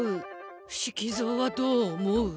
伏木蔵はどう思う？